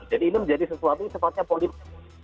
jadi ini menjadi sesuatu yang sepatunya politik